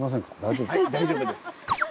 大丈夫ですか？